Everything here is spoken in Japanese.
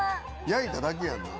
焼いただけやんな。